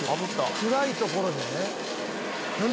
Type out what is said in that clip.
暗い所で？」